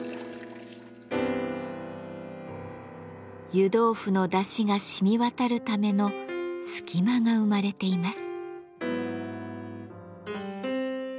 湯豆腐のだしがしみ渡るための「隙間」が生まれています。